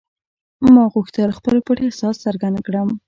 ما غوښتل خپل پټ احساس څرګند کړم